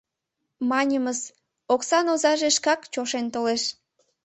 Маньымыс, оксан озаже шкак чошен толеш.